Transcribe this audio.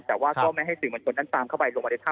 แต่ว่าก็ไม่ให้สื่อมวลชนนั้นตามเข้าไปลงมาในถ้ำ